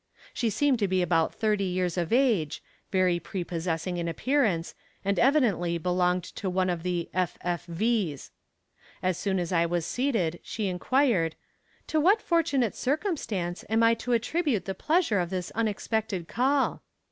She seemed to be about thirty years of age, very prepossessing in appearance, and evidently belonged to one of the "F. F. V's." As soon as I was seated she inquired: "To what fortunate circumstance am I to attribute the pleasure of this unexpected call?"